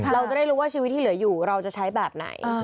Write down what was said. เราจะได้รู้ว่าชีวิตที่เหลืออยู่เราจะใช้แบบไหน